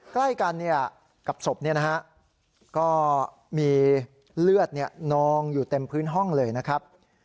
ใกล้กันเนี่ยกับสบเนี่ยนะฮะก็มีเลือดเนี่ยนองอยู่เต็มพื้นห้องเลยนะครับ